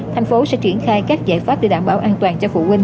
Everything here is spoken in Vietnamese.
tp hcm sẽ triển khai các giải pháp để đảm bảo an toàn cho phụ huynh